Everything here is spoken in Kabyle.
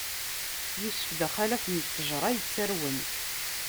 Yusef, d axalaf n ṭṭejṛa yettarwen.